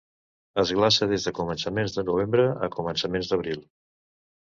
Es glaça des de començaments de novembre a començaments d'abril.